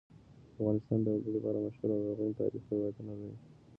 افغانستان د وګړي په اړه مشهور او لرغوني تاریخی روایتونه لري.